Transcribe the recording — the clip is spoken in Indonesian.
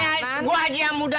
eh sini gua aja yang muda